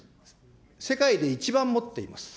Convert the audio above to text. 世界で一番持っています。